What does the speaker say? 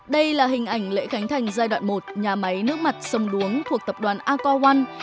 đây là hình ảnh lễ khánh thành giai đoạn một nhà máy nước mặt sông đuống thuộc tập đoàn aquad